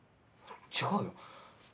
違うよ